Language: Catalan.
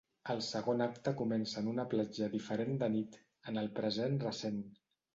El segon acte comença en una platja diferent de nit, en el present recent.